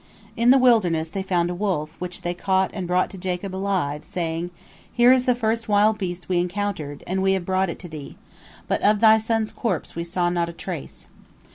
In the wilderness they found a wolf, which they caught and brought to Jacob alive, saying: "Here is the first wild beast we encountered, and we have brought it to thee. But of thy son's corpse we saw not a trace."